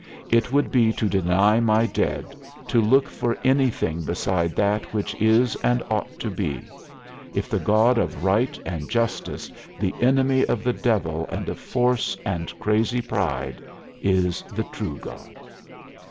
It would be to deny my dead to look for anything beside that which is and ought to be! if the God of right and justice, the enemy of the devil and of force and crazy pride, is the true God."